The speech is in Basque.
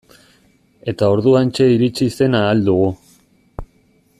Eta orduantxe iritsi zen Ahal Dugu.